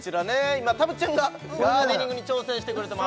今たぶっちゃんがガーデニングに挑戦してくれてます